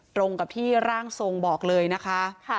ตรงกับที่ร่างทรงบอกเลยนะคะ